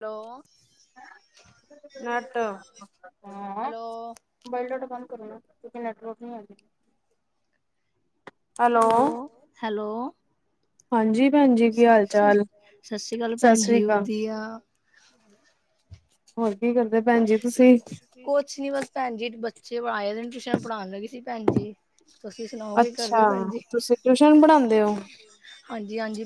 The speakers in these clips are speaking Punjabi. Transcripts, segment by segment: ਹੈਲੋ, ਨਾਟ ਹਾਂ ਹੈਲੋ। ਮੋਬਾਈਲ ਡਾਟਾ ਬੰਦ ਕਰੂ ਨਾ ਕਿਉਂਕ ਨੈਟਵਰਕ ਨਹੀਂ ਆ ਰੀ ਹੈਲੋ, ਹੈਲੋ ਹਾਂਜੀ ਭੈਣ ਜੀ ਕੀ ਹਾਲ ਸ ਚਾਲ ਸਤਿ ਸ੍ਰੀ ਅਕਾਲ ਸਤਿ ਭੈਣ ਸ੍ਰੀ ਜੀ ਅਕਾਲ। ਵਧੀਆ ਹੋਰ ਕੀ ਕਰਦੇ ਭੈਣ ਜੀ ਕੁ ਤੁਸੀਂ ਕੁਛ ਨੀ ਬਸ ਭੈਣ ਜੀ, ਬੱਚੇ ਆਏਨ ਟਿਊਸ਼ਨ ਪੜ੍ਹਾਉਣ ਲਗੀ ਸੀ ਭੈਣ ਜੀ ਤੁਸੀਂ ਸੁਣਾਓ ਕੀ ਕਰਦੇ ਅੱਛਾ ਹੋ ਭੈਣ ਜੀ ਤੁਸੀਂ ਟਿਊਸ਼ਨ ਪੜ੍ਹਾਉਂਦੇ ਹੋ। ਹਾਂਜੀ ਹਾਂਜੀ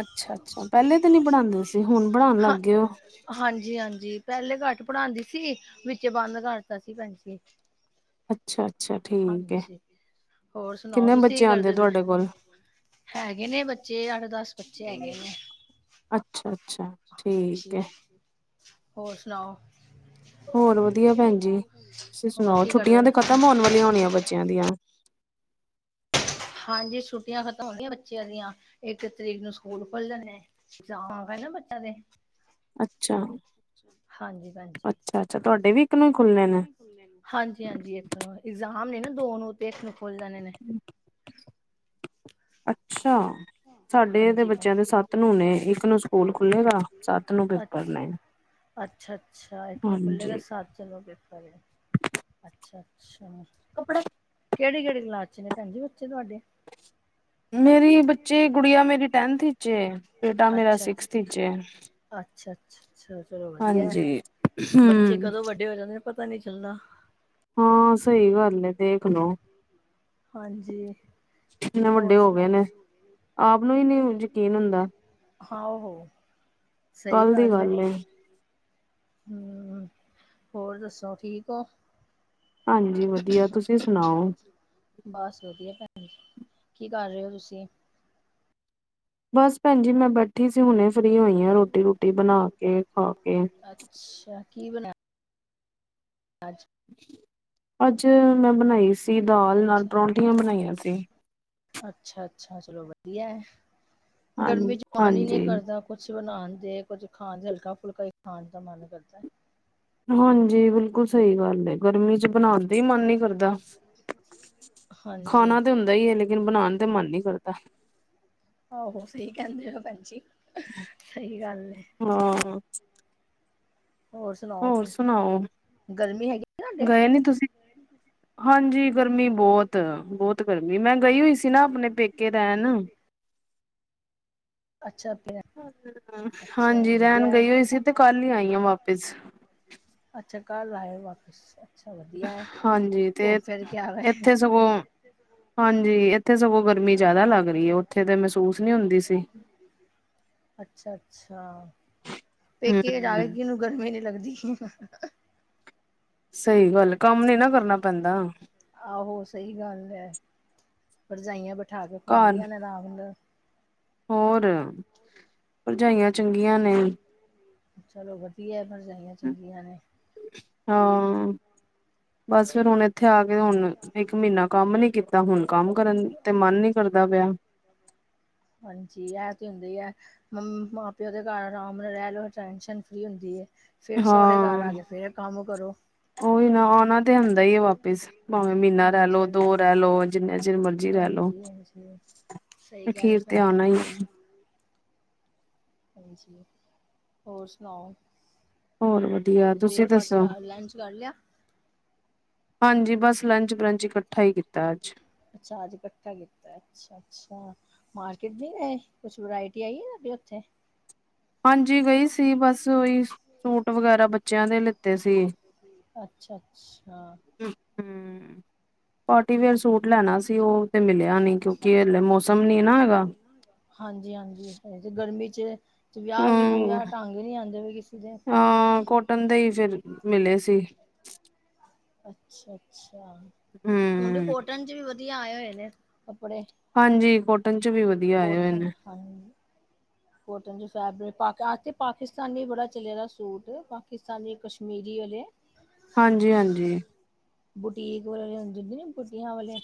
ਅੱਛਾ ਅੱਛਾ ਪਹਿਲੇ ਤਾਂ ਨੀ ਪਣਾਂਦੇ ਸੀ, ਹੁਣ ਪੜਾਉਣ ਲੱਗ ਗਏ ਉਹ ਹਾਂਜੀ ਹਾਂਜੀ ਪਹਿਲੇ ਘੱਟ ਪੜ੍ਹਾਉਂਦੀ ਸੀ, ਵਿੱਚੋ ਬੰਦ ਕਰਤਾ ਸੀ ਭੈਣ ਜੀ ਅੱਛਾ ਅੱਛਾ ਠੀਕ ਹੈ। ਹਾਂਜੀ, ਹੋਰ ਸੁਣਾਓ ਕਿੰਨੇ ਤੁਸੀਂ ਬੱਚੇ ਕੀ ਆਉਂਦੇ ਕਰਦੇ ਪਏ ਤੁਹਾਡੇ ਕੋਲ ਹੈਗੇ ਨੇ ਬੱਚੇ, ਅੱਠ ਦਸ ਬੱਚੇ ਹੈਗੇ ਨੇ ਅੱਛਾ ਅੱਛਾ ਠੀਕ ਹਾਂਜੀ, ਹੈ ਹੋਰ ਸੁਣਾਓ ਹੋਰ ਵਧੀਆ ਭੈਣ ਜੀ, ਤੁਸੀਂ ਹੋਰ ਸੁਣਾਓ ਕੀ ਕਰਦੇ ਛੁੱਟੀਆਂ ਤੇ ਪਏ? ਖ਼ਤਮ ਹੋਣ ਵਾਲੀਆਂ ਹੋਣੀਆਂ ਬੱਚਿਆਂ ਦੀਆਂ ਹਾਂਜੀ ਛੁੱਟੀਆਂ ਖਤਮ ਹੋਗਿਆਂ ਬੱਚੇਆਂ ਦੀਆ, ਇੱਕ ਤਰੀਕ ਨੂੰ ਸਕੂਲ ਖੁਲ ਜਾਣੇ ਐਗਜ਼ਾਮ ਆ ਗਏ ਨਾ ਬੱਚੇਆਂ ਦੇ ਅੱਛਾ। ਹਾਂਜੀ - ਭੈਣਜੀ--ਹੇਗੇ ਅੱਛਾ ਅੱਛਾ ਤੁਹਾਡੇ ਵੀ ਇੱਕ ਨੂੰ ਹੀ ਖੁੱਲਣੇ ਨੇ ਫਰੀ। ਹਾਂਜੀ-ਹਾਂਜੀ ਇੱਕ ਨੂੰ, ਇਗਜ਼ਾਮ ਨੇ ਨਾ ਦੋ ਨੂੰ, ਤੇ ਇਕ ਨੂੰ ਖੁਲ ਜਾਣੇ ਨੇ ਅੱਛਾ। ਸਾਡੇ ਏਦਰ ਹਾਂਜੀ ਭੈਣ ਬੱਚੇਆਂ ਦੇ ਸੱਤ ਨੂੰ ਹੋਨੇ, ਇੱਕ ਨੂੰ ਸਕੂਲ ਖੁੱਲੇਗਾ। ਸੱਤ ਨੂੰ ਪੇਪਰ ਨੇ ਅੱਛਾ-ਅੱਛਾ ਇੱਕ ਨੂੰ ਖੁੱਲ੍ਹੇਗਾ, ਹਾਂਜੀ ਸੱਤ ਨੂੰ ਪੇਪਰ ਅੱਛਾ-ਅੱਛਾ। ਕੇਹੜੀ-ਕੇਹੜੀ ਕਲਾਸ ਚ ਨੇ ਭੈਣ ਜੀ ਬੱਚੇ ਤੁਹਾਡੇ ਮੇਰੇ ਬੱਚੇ ਗੁੜੀਆਂ ਮੇਰੀ ਟੈਨਥ ਚ ਏ। ਬੇਟਾ ਮੇਰਾ ਅੱਛਾ ਅੱਛਾ ਸਿਕਸਥ ਚ ਏ ਅੱਛਾ, ਅੱਛਾ-ਅੱਛਾ ਚਲੋ ਵਧੀਆ ਹਾਂਜੀ ਬੱਚੇ ਹੂੰ ਕਦੋਂ ਵੱਡੇ ਹੋ ਜਾਂਦੇ ਨੇ ਪਤਾ ਨਹੀਂ ਚੱਲਦਾ ਹਾਂ, ਸਹੀ ਗੱਲ ਏ ਦੇਖ ਲਓ ਹਾਂਜੀ। ਹੋਰ ਹੋ ਗਏ ਸੁਣਾਓ ਨੇ ਵੀ ਆਪ ਨੂੰ ਹੀ ਨਹੀਂ, ਯਕੀਨ ਹੁੰਦਾ ਆਹੌ ਕੱਲ ਦੀ ਗੱਲ ਏ ਹਮ ਹੋਰ ਦੱਸੋ ਠੀਕ ਹੋ, ਹਾਂਜੀ ਵਧੀਆ ਤੁਸੀਂ ਸੁਣਾਓ ਬਸ ਵਧੀਆ ਭੈਣ ਜੀ, ਕੀ ਕਰ ਰਹੇ ਹੋ ਤੁਸੀਂ ਬਸ ਭੈਣ ਜੀ ਮੈਂ ਬੈਠੀ ਸੀ, ਹੁਣੇ ਫ੍ਰਰੀ ਹੋਈ ਆ, ਰੋਟੀ -ਰੂਟੀ ਬਣਾ ਕੇ, ਖਾ ਕੇ ਅੱਛਾ, ਕੀ ਬਣਾਆ ਅੱਜ ਅੱਜ ਮੈਂ ਬਣਾਈ ਸੀ ਦਾਲ, ਭੈਣ ਨਾਲ ਜੀ? ਪਰੋਂਂਠੀਆਂ ਬਣਾਈਆਂ ਸੀ ਅੱਛਾ-ਅੱਛਾ ਚਲੋ ਵਧੀਆ, ਹਾਂ ਗਰਮੀ ਚ ਮਨ ਈ ਨਈ ਹਾਂਜੀ ਕਰਦਾ ਕੁਛ ਬਣਾਣ ਦੇ ਕੁੱਝ ਖਾਣ ਦੇ ਹਲਕਾ -ਫੁਲਕਾ ਹੀ ਖਾਣ ਦਾ ਮਨ ਕਰਦਾ ਹਾਂਜੀ ਬਿਲਕੁਲ ਸਹੀ ਗੱਲ ਏ, ਗਰਮੀ ਚ ਬਣਾ ਨਈ ਮਨ ਨੀ ਕਰਦਾ। ਹਾਂਜੀ, ਖਾਣਾ ਤੇ ਹੁੰਦ ਹੁੰਦਾ ਏ, ਈ, ਆ ਲੇਕਿਨ ਬਣਾਣ ਤੇ ਮਨ ਨਈ ਕਰਦਾ ਆਹੋ ਸਹੀ ਕੈਹਿੰਦੇ ਹੋ ਭੈਣ ਜੀ। ਸਹੀ ਗੱਲ ਏ ਹਾਂ। ਸੁਣਾਓ ਹੋਰ ਫਿਰ ਸੁਣਾਓ। ਗਰਮੀ ਹੈਗੀ ਤੁਹਾਡੇ? ਗਏ ਨੀ ਤੁਸੀਂ ਹਾਂਜੀ ਗਰਮੀ ਬੋਤ -ਬੋਤ ਗਰਮੀ, ਮੈਂ ਗਈ ਹੋਈ ਸੀ, ਨਾ ਆਪਣੇ ਪੇਕੇ ਰੈਹਣ ਅੱਛਾ ਆਪਣੇ, ਹਾਂਜੀ ਰੈਣ ਗਈ ਹੋਈ ਸੀ, ਤੇ ਕੱਲ ਈ ਆਈ ਆ ਵਾਪਿਸ। ਅੱਛਾ ਕੱਲ ਆਏ ਵਾਪਸ ਅੱਛਾ ਵਧੀਆ ਏ, ਘੁੰਮ -ਫਿਰ ਕੇ ਆ ਗਏ, ਹੁ ਹਾਂਜੀ ਏਥੇ ਸਗੋਂ ਗਰਮੀ ਜ਼ਾਦਾ ਲੱਗ ਰਹੀ ਏ, ਓਥੇ ਤੇ ਮਹਿਸੂਸ ਨਈ ਹੁੰਦੀ ਸੀ। ਅੱਛਾ -ਅੱਛਾ ਪੇਕੇ ਹੂੰ ਜਾਵੇ ਕਿ, ਗਰਮੀ ਨਈ ਲੱਗਦੀ ਹ ਸਹੀ ਗੱਲ ਕੰਮ ਨੀ ਨਾ ਕਰਨਾ ਪੈਂਦਾ। ਆਹੋ ਸਹੀ ਗੱਲ ਐ, ਪਰਜਾਈਆਂ ਬਿਠਾ ਕੇ ਘਰ ਖਵਾਉਂਦੀਆਂ ਨੇ ਆਰਾਮ ਨਾਲ। ਹੋਰ ਪਰਜਾਈਆਂ ਚੰਗੀਆਂ ਨੇ, ਚਲੋ ਵਧੀਆ ਪਰਜਾਈਆਂ ਚੰਗੀਆਂ ਨੇ, ਹਾਂ--ਬਸ ਫੇਰ ਹੁਣ ਉੱਥੇ ਆ ਕੇ ਹੁਣ ਇੱਕ ਮਹੀਨਾ ਕੰਮ ਨੀ ਕੀਤਾ ਹੁਣ ਕੰਮ ਕਰਨ ਤੇ ਮਨ ਨੀ ਕਰਦਾ ਪਿਆ। ਹਾਂਜੀ ਇਹ ਤੇ ਹੁੰਦਾ ਹੀ ਹੈ। ਮੰ ਮਾਂ ਪਿਓ ਦੇ ਘਰ ਆਰਾਮ ਨਾਲ ਰਹਿ ਲਓ ਟੈਨਸ਼ਨ ਫ੍ਰਰੀ ਹੁੰਦੀ ਹੈ। ਫਿਰ ਸਹੁਰੇ ਘਰ ਹਾਂ ਆ ਕੇ ਫੇਰ ਕੰਮ ਕਰੋ ਉਹੀ ਨਾ ਆਉਣਾ ਤੇ ਹੁੰਦਾ ਹੀ ਹੈ ਵਾਪਿਸ ਭਾਵੇਂ ਮਹੀਨਾ ਰਹਿ ਹਾਂਜੀ ਲੋ ਦੋ ਹਾਂਜੀ ਰਹਿ ਲੋ ਜਿੰਨਾ ਚਿਰ ਮਰਜ਼ੀ ਰਹਿ ਲੋ ਅੱਛਾ ਅਖੀਰ ਤੇ ਆਉਣਾ ਹੀ ਹਾਂਜੀ ਹੋਰ ਸੁਣਾਓ ਹੋਰ ਵਧੀਆ ਤੁਸੀਂ ਦੱਸੋ ਬ੍ਰੇਕਫਾਸਟ ਲੰਚ ਕਰ ਲਿਆ? ਹਾਂਜੀ ਬਸ ਲੰਚ ਬਰੰਚ ਇਕੱਠਾ ਹੀ ਕੀਤਾ ਅੱਜ ਅੱਛਾ ਅੱਜ ਇਕੱਠਾ ਕੀਤਾ ਅਛ ਅੱਛਾ ਮਾਰਕੀਟ ਨੀ ਗਏ ਕੁਛ ਵਰਾਇਟੀ ਆਈ ਤੁਹਾਡੇ ਉੱਥੇ ਹਾਂਜੀ ਗਈ ਸੀ ਬਸ ਉਹੀ ਸੂਟ ਵਗੈਰਾ ਬੱਚਿਆਂ ਦੇ ਲਿੱਤੇ ਸੀ ਅੱਛਾ- ਅੱਛਾ -ਅੱਛਾ ਹਮ ਹੂੰ, ਪਾਰਟੀਵੇੇਅਰ ਸੂਟ ਲੈਣਾ ਸੀ ਉਹ ਤੇ ਮਿਲਿਆ ਨਹੀਂ ਕਿਉਂਕਿ ਹਲੇ ਮੌਸਮ ਨੀ ਨਾ ਹੈਗਾ। ਹਾਂਜੀ ਹਾਂਜੀ ਐ ਤੇ ਗਰਮੀ 'ਚ ਤੇ ਵਿਆਹ ਵਿੱਚ ਹਮ ਵਿਆਹ ਢੰਗ ਨੀ ਆਉਂਦੇ ਕਿਸੇ ਦੇ, ਹਾਂ ਕੋਟਨ ਦੇ ਹੀ ਫਿਰ ਮਿਲੇ ਸੀ ਅੱਛਾ ਅੱਛਾ ਹੁਣ ਤੇ ਹਮ ਕੋਟਨ 'ਚ ਵੀ ਵਧੀਆ ਆਏ ਹੋਏ ਨੇ ਕੱਪੜੇ ਹਾਂਜੀ ਕੋਟਨ 'ਚ ਵੀ ਵਧੀਆ ਆਏ ਹੋਏ ਕੋਟਨ ਨੇ ਹਾਂਜੀ ਕੋਟਨ 'ਚ ਫੈਬਰਿਕ ਐਤਕੀ ਪਾਕਿਸਤਾਨੀ ਬੜਾ ਚਲਿਆ ਦਾ ਸੂਟ ਪਾਕਿਸਤਾਨੀ ਕਸ਼ਮੀਰੀ ਵਾਲੇ ਹਾਂਜੀ -ਹਾਂਜੀ ਬੁਟੀਕ ਵਾਲੇ ਲੈਣ ਜਾਂਦੇ ਨੇ ਬੂਟੀਆਂ ਵਾਲੇ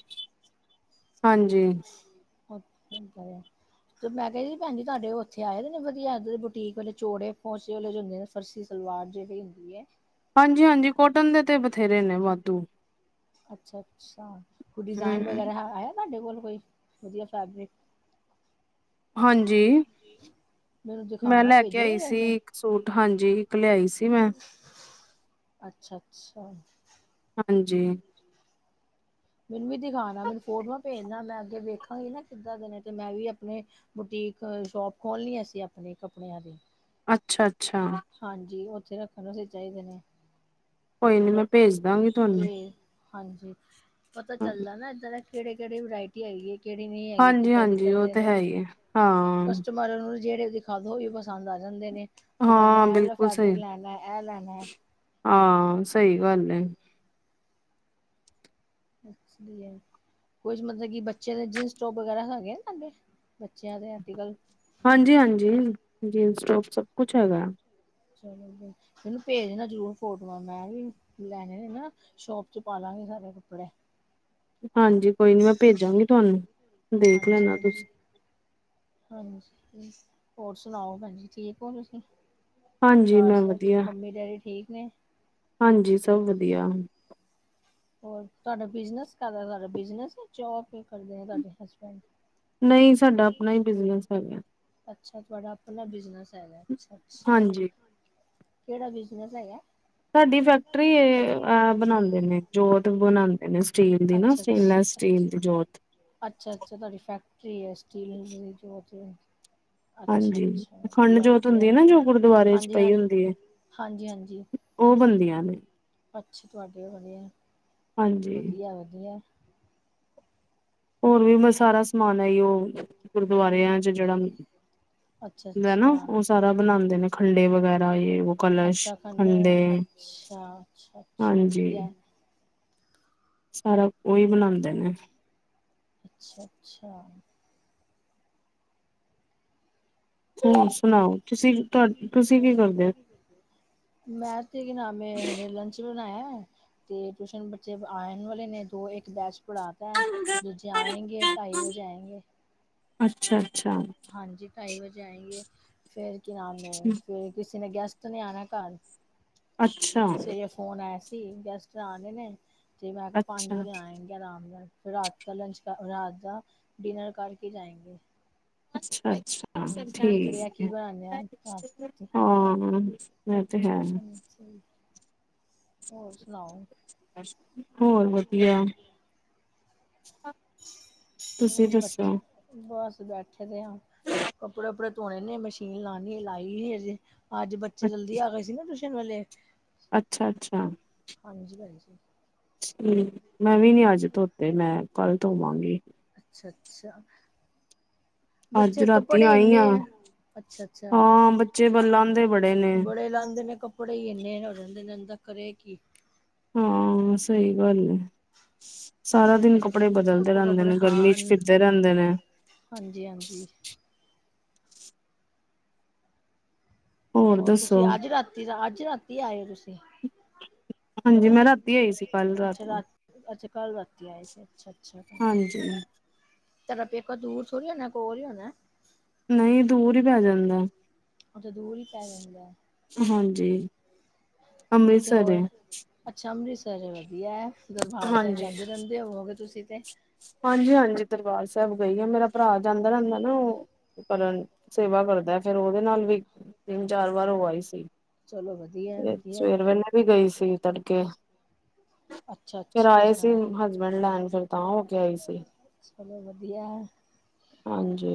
ਹਾਂਜੀ ਹੋਰ ਕੀ ਹੁੰਦਾ ਆ ਤੇ ਮੈਂ ਕਿਹਾ ਜੀ ਭੈਣ ਜੀ ਤੁਹਾਡੇ ਉੱਥੇ ਆਏ ਨੇ ਵਧੀਆ ਇੱਧਰ ਬੁਟੀਕ ਵਾਲੇ ਚੋੜ ਪੋਚੇ ਵਾਲੇ ਜੋ ਹੁੰਦੇ ਨੇ ਫਰਸੀ ਸਲਵਾਰ ਜਿਹੜੀ ਹੁੰਦੀ ਹੈ। ਹਾਂਜੀ ਹਾਂਜੀ ਕੋਟਨ ਦੇ ਤੇ ਬਥੇਰੇ ਨੇ ਵਾਧੂ ਅੱਛਾ ਅੱਛਾ ਕੋਈ ਡਿਜ਼ਾਇਨ ਹਮ ਵਗੈਰਾ ਹੈ ਆਇਆ ਤੁਹਾਡੇ ਕੋਲ ਕੋਈ ਵਧੀਆ ਫੈਬਰਿਕ? ਹਾਂਜੀ ਮੈਨੂੰ ਮੈਂ ਦਿਖਾਣਾ ਲੈ ਕੇ ਆਈ ਭੇਜੋਗੇ ਸੀ ਇੱਕ ਸੂਟ ਹਾਂਜੀ ਇੱਕ ਲਿਆਈ ਸੀ। ਮੈਂ ਅੱਛਾ ਅੱਛਾ, ਅੱਛਾ ਹਾਂਜੀ, ਮੈਨੂੰ ਵੀ ਦਿਖਾਉਣਾ ਮੈਨੂੰ ਫੋਟੋਆਂ ਭੇਜਨਾ ਮੈਂ ਅੱਗੇ ਵੇਖਾਂਗੀ ਨਾ ਕਿੱਦਾਂ ਦੇ ਨੇ ਤੇ ਮੈਂ ਵੀ ਆਪਣੇ ਬੁਟੀਕ ਸ਼ੋਪ ਖੋਲਣੀ ਅਸੀਂ ਆਪਣੇ ਕੱਪੜਿਆਂ ਦੀ ਅੱਛਾ ਅੱਛਾ, ਅੱਛਾ ਹਾਂਜੀ ਉੱਥੇ ਰੱਖਣ ਵਾਸਤੇ ਚਾਹੀਦੇ ਨੇ ਕੋਈ ਨੀ, ਮੈਂ ਭੇਜ ਦਾਂਗੀ ਤੁਹਾਨੂੰ। ਤੇ ਹਾਂਜੀ, ਪਤਾ ਚੱਲਦਾ ਨਾ, ਏਧਰ ਕਿਹੜੇ- ਕਿਹੜੀ ਵਰਾਇਟੀ ਹੈਗੀ ਹੈ ਏ ਕਿਹੜੀ, ਨਹੀਂ ਹੈਗੀ, ਹਾਂਜੀ ਕਿੱਦਾਂ ਹਾਂਜੀ ਕਿੱਦਾਂ ਉਹ ਤੇ ਨੇ ਹੈ ਹੀ ਹੈ ਹਾਂ ਕਸਮ ਪਰ ਉਹ, ਜਿਹੜੇ ਦਿਖਾ ਦੋ, ਉਹੀ ਪਸੰਦ ਆ ਜਾਂਦੇ ਨੇ ਉਹ ਕਹਿੰਦੇ ਨੇ, ਹਾਂ ਏਹ ਵਾਲਾ ਬਿਲਕੁਲ ਸਹੀ ਫੈਬਰਿਕ ਲੈਣਾ ਐ ਲੈਣਾ ਹਾਂ, ਸਹੀ ਗੱਲ ਐ। ਅੱਛਾ ਲਿਆ ਕੁਝ ਮਤਲਬ ਕਿ, ਬੱਚੇ ਦੇ ਜੀਨਸ ਟੋਪ ਵਗੈਰਾ ਹੈਗੇ, ਸਾਡੇ ਬੱਚਿਆਂ ਦੇ ਆਟੀਕਲ-? ਹਾਂਜੀ- ਹਾਂਜੀ ਜੀਨਸ- ਟੋਪ ਸਭ ਕੁਛ ਹੈਗਾ। ਚਲੋ, ਫਿਰ ਮੈਨੂੰ ਭੇਜ ਦੇਣਾ ਜਰੂਰ, ਫੋਟੋਆਂ ਮੈਂ ਵੀ, ਲੈਣੇ ਨੇ ਨਾ, ਸ਼ੋਪ ਚ ਪਾਾਲਾਂਗੇ ਸਾਰੇ ਕੱਪੜੇ ਹਾਂਜੀ ਕੋਈ ਨਈ, ਮੈਂ ਭੇਜਾਂਗੀ ਤੁਹਾਨੂੰ ਦੇਖ ਹਾਂਜੀ ਲੈਣਾ ਤੁਸੀਂ ਹਾਂਜੀ ਹਾਂਜੀ, ਹੋਰ ਸੁਣਾਓ, ਭੈਣ ਜ ਠੀਕ ਹੋ ਤੁਸੀਂ? ਹਾਂਜੀ ਹਾਂ ਮੈਂ ਸਚ, ਵਧੀਆ ਮੰਮੀ-ਡੈਡੀ ਠੀਕ ਨੇ? ਹਾਂਜੀ, ਸਭ ਵਧੀਆ। ਹੋਰ ਤੁਹਾਡਾ ਬਿਜਨਸ, ਕਰਦਾ ਤੁਹਾਡਾ ਬਿਜਨਸ ਜੋਬ, ਕਰਦੇ ਆ ਤੁਹਾਡੇ ਹਸਬੈਂਡ ਨਹੀਂ ਸਾਡਾ, ਆਪਣਾ ਹੀ ਬਿਜਨਸ ਹੈਗਾ। ਅੱਛਾ, ਤੁਹਾਡਾ ਆਪਣਾ ਬਿਜਨਸ ਹੈਗਾ, ਅੱਛਾ-ਅੱਛਾ ਹਾਂਜੀ ਕਿਹੜਾ, ਬਿਜਨਸ ਹੈਗਾ? ਸਾਡੀ ਫੈਕਟਰੀ, ਬਣਾਂਦੇ ਨੇ ਜੋਤ ਬਣਾਦੇ ਨੇ, ਸਟੀਲ ਦੀ ਨਾ ਅੱਛਾ ਸਟੇਨਲੈਸ। ਅੱਛਾ ਸਟੀਲ, ਦੀਂ ਜੋਤ। ਅੱਛਾ- ਅੱਛਾ ਤੁਹਾਡੀ ਫੈਕਟਰੀ ਹੈ, ਸਟੀਲ ਜੋ ਅੱਛਾ ਹਾਂਜੀ, ਅੱਛਾ ਅਖੰਡ ਵਧੀਆ ਜੋਤ ਵਧੀਆ ਹੁੰਦੀ ਹੈ ਨਾ, ਜੋ ਗੁਰਦੁਆਰੇ ਚ ਹਾਂਜੀ ਪਈ, ਹਾਂਜੀ ਹੁੰਦੀ ਹੈ। ਹਾਂਜੀ ਉਹ, ਬਣਦੀਆਂ ਨੇ। ਅੱਛੇ, ਤੁਹਾਡੇ ਵਧੀਆ, ਹਾਂਜੀ ਵਧੀਆ- ਵਧੀਆ ਹੋਰ ਵੀ ਸਾਰਾ ਸਮਾਨ, ਉਹਓਂ ਗੁਰਦੁਆਰਿਆਂ ਚ, ਜਿਹੜਾ ਅੱਛਾ ਹੁੰਦਾ ਨਾ, ਅੱਛਾ ਉਹ ਸਾਰਾ ਬਣਾਦੇ ਨੇ, ਖੰਡੇ, ਵਗੈਰਾ ਜੇ ਉਹ ਕਲਸ਼, ਅੱਛਾ ਖੰਡ ਖੰਡੇ, ਅੱਛਾ, ਅੱਛਾ -ਅੱਛਾ ਹਾਂਜੀ ਵਧੀਆ। ਸਾਰਾ, ਉਹੀ ਬਣਾਦੇ ਨੇ ਅੱਛਾ- ਅੱਛਾ। ਹੋਰ ਸੁਣਾਓ, ਤੁਸੀਂ- ਤੁਸੀਂ ਕੀ ਕਰਦੇ ਹੋ? ਮੈਂ ਤੇ ਕੀ ਨਾ ਨਾਮ, ਹੁਣੇੇ ਲੰਚ ਬਣਾਇਆ। ਤੇ ਟਿਊਸ਼ਨ ਬੱਚੇ, ਆਣ ਵਾਲੇ ਨੇ ਦੋ ਇੱਕ, ਬੈਚ ਪੜਾ ਦੂਜੇ, ਆਏਂਗੇ ਢਾਈ ਵਜੇ, ਆਏਂ ਗੇ ਅੱਛਾ -ਅੱਛਾ ਹਾਂਜੀ, ਢਾਈ ਵਜੇ ਆਏ ਗੇ, ਫੇਰ ਕੀ ਨਾਮ ਹੈ ਫੇਰ ਕਿਸੇ ਨੇ ਗੈਸਟ ਨੇ, ਆਣਾ ਘਰ। ਅੱਛਾ, ਸਵੇਰੇ ਫੋਨ ਆਇਆ ਸੀ, ਗੈਸਟ ਆਣੇ ਨੇ ਤੇ ਮੈਂ ਕਿਹਾ? ਪੰਜ ਅੱਛਾ ਵਜੇ ਆਏਗੇ ਆਰਾਮ ਨਾਲ? ਫਿਰ ਰਾਤ ਦ, ਦਾ ਡਿਨਰ ਕਰਕੇ ਜਾਏਂਗੇ। ਅੱਛਾ -ਅੱਛਾ ਦੇਖਦੇ ਆ ਠੀਕ ਕੀ ਹੈ। ਬਣਾਨੇ ਆ ਰਾਤ ਹਾਂ, ਇਹ ਤੇ ਹੈ। ਹਾਂਜੀ ਹੋਰ, ਸੁਣਾਓ? ਅਛਾ [inaudible] ਹੋਰ ਵਧੀਆ, ਤੁਸੀਂ ਬੱਚ ਦੱਸੋ? ਬਸ ਬੈਠੇ ਦੇ ਆ, ਕੱਪੜੇ- ਕੁਪੜੇ ਧੋਣੇ ਨੇ, ਮਸ਼ੀਨ ਲਾਣੀ ਲਾਈ ਅੱਜ ਬੱਚੇ, ਜਲਦੀ ਆ ਗਏ ਸੀ ਨਾ, ਟਿਊਸ਼ਨ ਵਾਲੇ ਅੱਛਾ -ਅੱਛਾ। ਹਾਂਜੀ-ਹਾਂਜੀ। ਠੀਕ, ਮੈਂ ਵੀ ਨੀ ਅੱਜ ਧੋਤੇ, ਮੈਂ ਕੱਲ ਧੋਵਾਂਗੀ। ਅੱਛਾ ਅੱਛਾ, ਅੱਜ ਬੱਚੇ ਰਾਤੀ ਕੱਪੜੇ ਆਈ ਇੰਨੇ ਆ ਅੱਛਾ ਅੱਛਾ, ਹਾਂ ਬੱਚੇ ਬਲਾਂਦੇ ਬੜੇ ਨੇ ਬੜੇ ਲਾਂਦੇ ਨੇ ਕੱਪ ਥੋੜ੍ਹ ਹੀ ਇੰਨੇ ਰਿੰਦੇ ਨ ਕਰੇ ਕੀ [unintelligible] ਹਾਂ ਸਹੀ ਗੱਲ ਐ। ਸਾਰਾ ਦਿਨ ਕੱਪੜੇ ਬਦਲਦੇ ਕੱਪੋ ਰਹਿੰਦੇ ਕੱਪੜੇ ਨੇ, ਗਰਮੀ ਹਾਂ ਚ ਫਿਰਦੇ ਰਹਿੰਦੇ ਨੇ। ਹਾਂਜੀ ਹਾਂਜੀ। ਹੋਰ ਤੁਸੀਂ ਅੱਜ ਰਾਤੀ ਦਾ, ਅੱਜ ਰਾਤੀ ਆਏ ਹੋ ਤੁਸੀਂ? ਹਾਂਜੀ ਮੈਂ ਰਾਤੀ ਆਈ ਸੀ, ਕੱਲ ਰਾਤ ਅੱਛਾ ਨੂੰ। ਰਾ ਅੱਛਾ ਕੱਲ ਰਾਤੀਂ ਆਏ ਸੀ। ਅੱਛਾ ਅੱਛਾ, ਹਾਂਜੀ ਤੁਹਾਡੇ ਪੇਕਾ ਦੂਰ ਥੋੜ੍ਹੀ ਹੋਣਾ, ਕੋਲ ਹੀ ਹੋਣਾ। ਨਹੀਂ ਦੂਰ ਹੀ ਪੈ ਜਾਂਦਾ। ਅੱਛਾ ਦੂਰ ਹੀ ਪੈ ਜਾਂਦਾ ਹੈ ਹਾਂਜੀ। ਕਿਥੇ ਅੰਮ੍ਰਿਤਸਰ ਏ ਹੋਰ! ਅੱਛਾ ਅੰਮ੍ਰਿਤਸਰ ਐਹ, ਵਧੀਆ ਹੈ। ਦਰਬਾਰ ਸਾਹਿਬ ਹਾਂਜੀ ਜਾਂਦੇ ਰਹਿੰਦੇ ਹੋਵੋਗੇ ਤੁਸੀਂ ਤੇ। ਹਾਂਜੀ ਹਾਂਜੀ, ਦਰਬਾਰ ਸਾਹਿਬ ਗਈ ਆ, ਮੇਰਾ ਭਰਾ ਜਾਂਦਾ ਰਹਿੰਦਾ ਨਾ ਉਹ ਕਰਨ, ਸੇਵਾ ਕਰਦਾ ਫੇਰ ਉਹਦੇ ਨਾਲ ਵੀ ਤਿੰਨ ਚਾਰ ਵਾਰ ਹੋ ਆਈ ਸੀ। ਚਲੋ ਵਧੀਆ ਫੇਰ, ਵਧੀਆ ਸਵੇਰ ਵੇਲੇ ਵੀ ਗਈ ਸੀ, ਤੜਕੇ। ਅੱਛਾ ਫਿਰ ਅੱਛਾ ਆਏ ਸੀ ਅੱਛਾ ਹਸਬੈਂਡ ਲੈਣ, ਫਿਰ ਤਾਂ ਉਹ ਚਲੋ ਵਧੀਆ ਐ ਹਾਂਜੀ।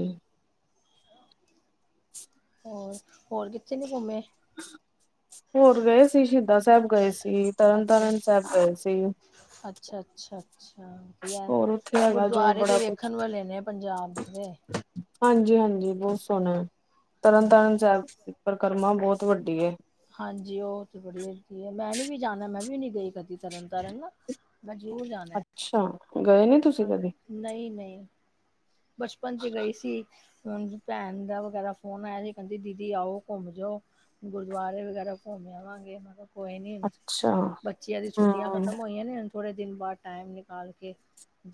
[unintelligible] ਹੋਰ, ਹੋਰ ਕਿੱਥੇ ਨੀ ਘੁੰਮੇ? ਹੋਰ ਗਏ ਸੀ, ਸ਼ਹੀਦ ਸਾਹਿਬ ਗਏ ਸੀ, ਤਰਨ ਅੱਛਾ ਤਾਰਨ ਸਾਹਿਬ ਗਏ ਸੀ। ਅੱਛਾ ਅੱਛਾ। ਅੱਛਾ, ਵਧੀਆ ਹੋਰ ਉੱਥੇ ਹੈਗਾ ਜੋ ਗੁਰਦੁਆਰੇ ਤੇ ਬੜਾ ਕੁਛ ਵੇਖਣ ਵਾਲੇ ਨੇ ਪੰਜਾਬ ਦੇ। ਹਾਂਜੀ ਹਾਂਜੀ ਬਹੁਤ ਸੋਹਣਾ ਹੈ, ਤਰਨ ਤਾਰਨ ਹਾਂਜੀ ਸਾਹਿਬ ਦੀ ਪਰਿਕਰਮਾ ਬਹੁਤ ਵੱਡੀ ਏ। ਹਾਂਜੀ ਉਹ ਤੇ ਬੜੀ ਵਡੀ ਏ। ਮੈਂਨੇ ਵੀ ਜਾਣਾ ਮੈਂ ਵੀ ਨਹੀ ਗਈ ਕਦੀ ਤਰਨ ਤਾਰਨ ਨਾ। ਮੈਂ ਜ਼ੂਰੂਰ ਜਾਣਾ ਹੈ। ਅੱਛਾ! ਗਏ ਨੀ? ਤੁਸੀਂ ਹਾਂ ਕਦੇ? ਨਹੀਂ ਨਹੀਂ ਬਚਪਨ ਦੀ ਗਈ ਸੀ। ਭੈਣ ਦਾ ਵਗੈਰਾ ਫੋਨ ਆਇਆ ਸੀ, ਕਹਿੰਦੀ ਦੀਦੀ ਆਓ ਘੁੰਮ ਜੋ। ਗੁਰਦੁਆਰੇ ਵਗੈਰਾ ਘੁੰਮਿ ਆਵਾਂਗੇ। ਮਤਲਬ ਕੋਈ ਨੀ, ਅੱਛਾ, ਬੱਚਿਆਂ ਦੀਆਂ ਛੁੱਟੀਆਂ ਹੂੰ, ਖਤਮ ਹੋਈਆਂ ਨੇ ਹ ਥੋੜ੍ਹੇ ਦਿਨ ਬਾਅਦ ਟਾਈਮ ਨਿਕਾਲ ਕੇ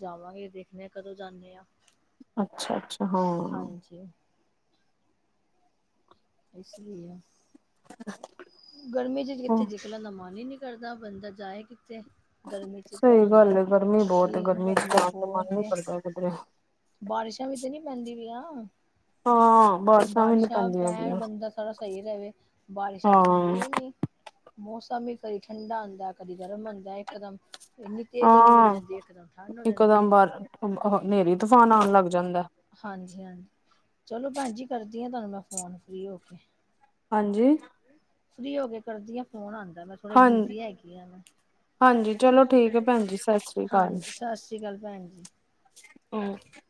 ਜਾਵਾਂਗੇ ਦੇਖਨੇ ਹਾਂ ਕਦੋਂ ਜਾਂਨੇ ਆਂ। ਅੱਛਾ ਅਛਾ। ਹਾਂਜੀ। ਇਸ ਲਈ ਆ, ਗਰਮੀ ਚ ਹਾਂ, ਕਿੱਥੇ ਨਿਕਲਣ ਦਾ ਮਨ ਹੀ ਨੀ ਡਰਦਾ ਬੰਦਾ ਜਾਏ ਕਿੱਥੇ? ਗਰਮੀ ਚ ਤੇ ਸਹੀ ਗੱਲ ਆਉਂਦਾ ਹੈ, ਗਰਮੀ ਬਹੁਤ ਐ, ਕਿ ਗਰਮੀ ਚ ਜਾਣ ਦਾ ਮਨ ਬਹੁਤ ਨਹੀਂ ਏ, ਕਰਦਾ ਕਿਧਰੇ। ਬਾਰਿਸ਼ਾਂ ਵੀ ਤਾਂ ਨਹੀਂ ਪੈਂਦੀ ਪਇਆਂ। ਹਾਂ, ਬ ਬਾਰਿਸ਼ਾਂ ਪੈਣ ਬੰਦਾ ਸਾਰਾ ਸਹੀ ਰਵੇ। ਬਾਰਿਸ਼ਾਂ ਪੈਂਦੀਆਂ ਹੀ ਨਹੀਂ। ਮੌਸਮ ਹੀ ਕਦੀ ਠੰਢਾ ਹਉਂਦਾ, ਕਦੀ ਗਰਮ ਹੁੰਦਾ ਇਕਦਮ ਇੰਨੀ ਤੇਜ਼ ਗਰਮੀ ਹੋ ਹਾਂ-ਹਾਂ, ਜਾਂਦੀ ਹੈ, ਫਿਰ ਠੰਡ ਹੋ ਜਾਂਦੀ ਹੈ। ਇੱਕਦਮ ਬਾਰ ਹਨੇਰੀ ਤੂਫਾਨ ਆਉਣ ਲੱਗ ਜਾਂਦਾ। ਹਾਂਜੀ ਹਾਂਜੀ! ਚਲੋ ਭੈਣ ਜੀ ਕਰਦੀ ਆਂ ਤੁਹਾਨੂੰ ਮੈਂ ਫੋਨ ਫ੍ਰੀ ਹੋ ਕੇ। ਹਾਂਜੀ ਫਰੀ ਹੋ ਕੇ ਕਰਦੀ ਹਾਂ। ਫ਼ੋਨ ਆਉਂਦਾ ਮੈਂ ਥੋੜਾ ਹਾਂ ਬਿਜ਼ੀ ਹੈਗੀ ਹਾਂ। ਮੈਂ- ਹਾਂਜੀ ਚਲੋ ਠੀਕ ਹੈ ਭੈਣ ਜੀ ਸਤਿ ਸ਼੍ਰੀ ਅਕਾਲ ਹਾਂਜੀ ਸਤਿ ਸ਼੍ਰੀ ਅਕਾਲ ਭੈਣ ਜੀ [unintelligible]